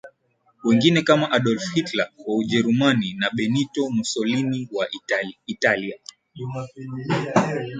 Wengine kama Adolf Hitler wa Ujerumjani na Benito Mussolini wa Italia